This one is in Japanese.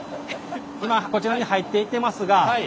今こちらに入っていってますが。